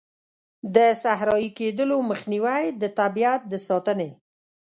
د صحرایې کیدلو مخنیوی، د طبیعیت د ساتنې.